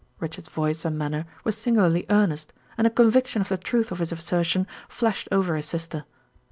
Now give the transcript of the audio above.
Richard's voice and manner were singularly earnest, and a conviction of the truth of his assertion flashed over his sister.